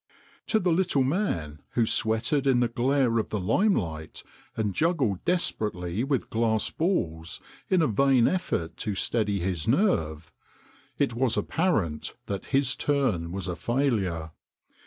To the little man who sweated in the glare of the limelight and juggled desperately with glass balls in a vain effort to steady his nerve it was apparent that his turn was a failure.